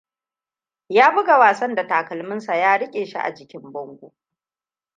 Ya buga wasan da takalminsa ya riƙe shi a jikin bango.